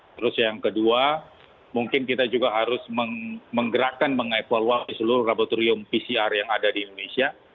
terus yang kedua mungkin kita juga harus menggerakkan mengevaluasi seluruh laboratorium pcr yang ada di indonesia